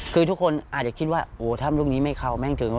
คือทุกคนอาจจะคิดว่าโอ้ถ้ำลูกนี้ไม่เข้าแม่งถึง